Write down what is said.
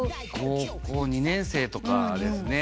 高校２年生とかですね。